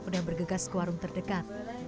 dan bergegas ke warung terdekat